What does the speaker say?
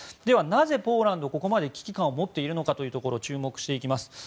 ではなぜ、ポーランドはここまで危機感を持っているのか注目していきます。